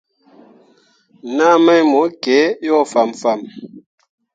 Naa mai mo kǝǝ yo fãmfãm.